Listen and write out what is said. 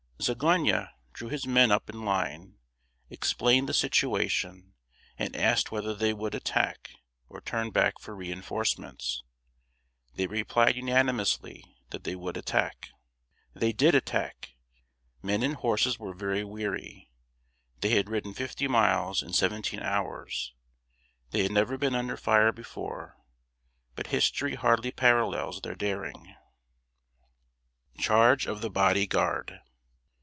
Zagonyi drew his men up in line, explained the situation, and asked whether they would attack or turn back for re enforcements. They replied unanimously that they would attack. They did attack. Men and horses were very weary. They had ridden fifty miles in seventeen hours; they had never been under fire before; but history hardly parallels their daring. [Sidenote: CHARGE OF THE BODY GUARD.